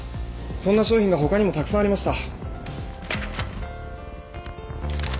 そんな商品が他にもたくさんありました。